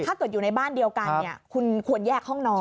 ถ้าเกิดอยู่ในบ้านเดียวกันคุณควรแยกห้องนอน